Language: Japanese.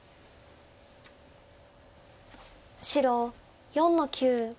白４の九。